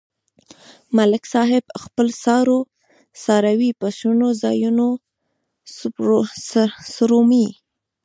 ملک صاحب خپل څاروي په شنو ځایونو څرومي.